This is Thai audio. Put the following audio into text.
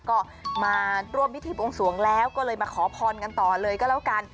ก็มาร่วมพิธีบวงสวงแล้วก็เลยมาขอพรกันต่อเลยก็แล้วกัน